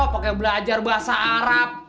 pake belajar bahasa arab